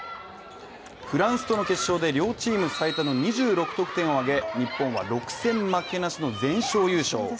フランスとの決勝で両チーム最多の２６得点を挙げ日本は６戦負なしの全勝優勝。